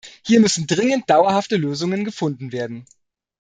Hier müssen dringend dauerhafte Lösungen gefunden werden.